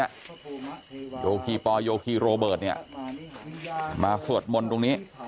โยคีปโยธิโรเบิร์ตมาสวดมนตรงนี้